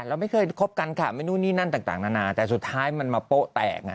เราไม่เคยคบกันค่ะไม่นู่นนี่นั่นต่างนานาแต่สุดท้ายมันมาโป๊ะแตก